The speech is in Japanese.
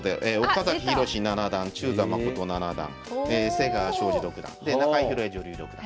岡崎洋七段中座真七段瀬川晶司六段で中井広恵女流六段。